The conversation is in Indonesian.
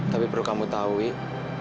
tapi perlu kamu tau wih